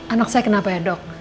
anak saya kenapa ya dok